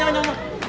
jangan jangan jangan